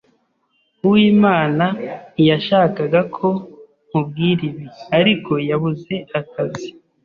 Uwimana ntiyashakaga ko nkubwira ibi, ariko yabuze akazi.